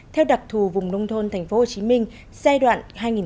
theo đặc thù vùng nông thôn tp hcm giai đoạn hai nghìn một mươi sáu hai nghìn hai mươi